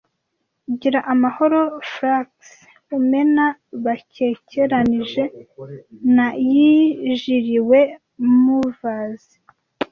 Gira amahoro flukes umena bakekeranije na yijiriwe movers ,